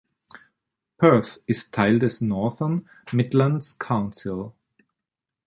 Perth ist Teil des Northern Midlands Council.